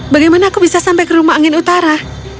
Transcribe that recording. bagaimana aku bisa sampai ke rumah angin utara